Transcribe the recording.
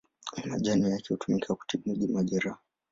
Majani yake hutumika kutibu majeraha.